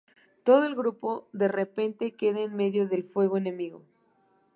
Todo el grupo de repente queda en medio del fuego enemigo.